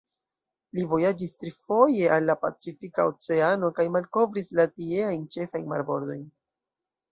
Li vojaĝis trifoje al la Pacifika Oceano kaj malkovris la tieajn ĉefajn marbordojn.